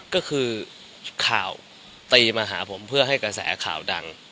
ก็คือข่าวตีมาหาผมเพื่อให้กระแสข่าวดัง